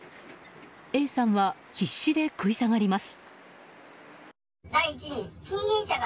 Ａさんは必死で食い下がります。